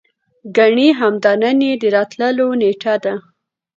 ګني همدا نن يې د راتللو نېټه ده.